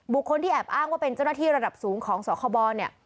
คนที่แอบอ้างว่าเป็นเจ้าหน้าที่ระดับสูงของสคบเนี่ย